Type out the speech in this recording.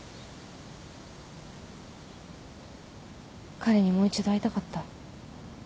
彼にもう一度会いたかった。